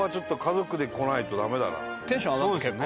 テンション上がる結構。